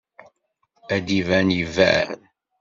Ad d-iban lberr.